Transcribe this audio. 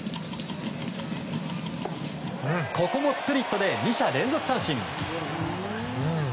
ここもスプリットで２者連続三振。